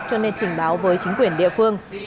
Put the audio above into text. cho nên trình báo với chính quyền địa phương